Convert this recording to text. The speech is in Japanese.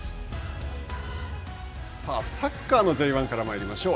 さあ、サッカーのＪ１からまいりましょう。